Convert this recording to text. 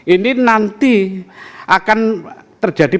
ini nanti akan terjadi